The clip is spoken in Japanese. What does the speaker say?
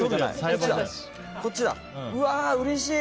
うわあ、うれしい！